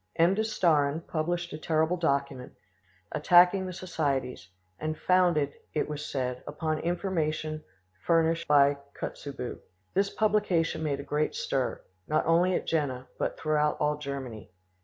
M. de Stauren published a terrible document, attacking the societies, and founded, it was said, upon information furnished by Kotzebue. This publication made a great stir, not only at Jena, but throughout all Germany.